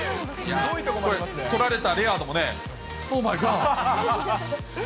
捕られたレアードも、オーマイガッ。